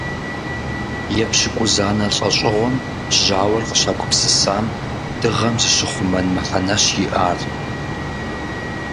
Епщыкӏузанэ лӏэщӏыгъуэм жьауэр къыщагупсысам дыгъэм зыщахъумэн мыхьэнэщ иӏар.